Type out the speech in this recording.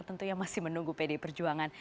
tentunya masih menunggu pdi perjuangan